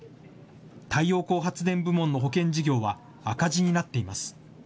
太陽光発電部門の保険事業は、赤字になっています。